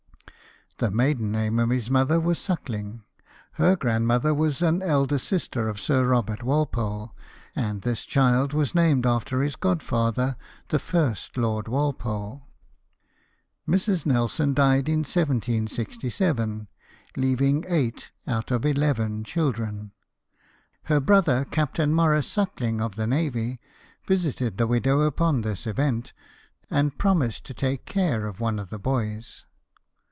The maiden name of his mother was Suckling, her grandmother was an elder sister of Sir Kobert Walpole, and this child was named after his godfather the first Lord Walpole. Mrs. Nelson died in 1767, leaving eight, out of eleven, children. Her brother, Captain Maurice Suckling, of the navy, visited the widower upon this event, and promised to take care of one of the boys.